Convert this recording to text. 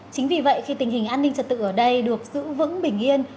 chính vì vậy khi tình hình an ninh trật tự ở đây được giữ vững bình yên